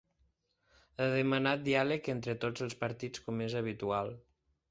Ha demanat diàleg entre tots els partits, com és habitual.